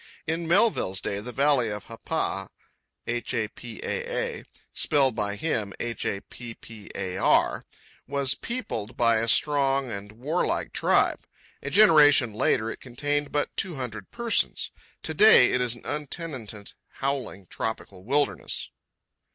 In Melville's day the valley of Hapaa (spelled by him "Happar") was peopled by a strong and warlike tribe. A generation later, it contained but two hundred persons. To day it is an untenanted, howling, tropical wilderness.